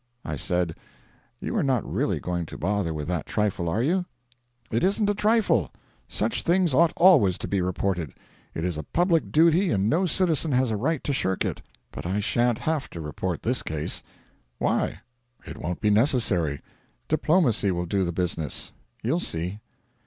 I said: 'You are not really going to bother with that trifle, are you?' 'It isn't a trifle. Such things ought always to be reported. It is a public duty and no citizen has a right to shirk it. But I sha'n't' have to report this case.' 'Why?' 'It won't be necessary. Diplomacy will do the business. You'll see.'